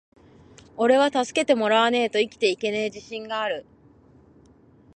｢おれは助けてもらわねェと生きていけねェ自信がある!!!｣